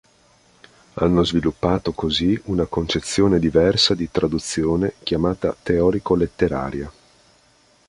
Hanno sviluppato così una concezione diversa di traduzione chiamata 'teorico-letteraria'.